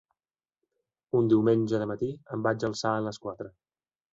Un diumenge de matí, em vaig alçar a les quatre.